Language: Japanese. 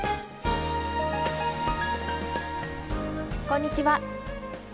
こんにちは。